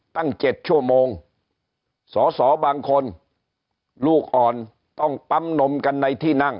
ตั้ง๗ชั่วโมงสอสอบางคนลูกอ่อนต้องปั๊มนมกันในที่นั่ง